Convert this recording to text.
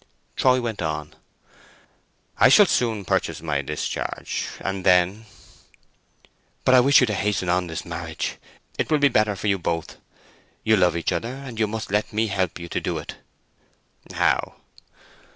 Troy went on— "I shall soon purchase my discharge, and then—" "But I wish you to hasten on this marriage! It will be better for you both. You love each other, and you must let me help you to do it." "How?"